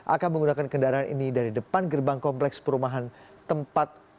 akan menggunakan kendaraan ini dari depan gerbang kompleks perumahan tempat